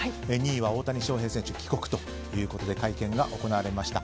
２位は大谷翔平選手帰国ということで会見が行われました。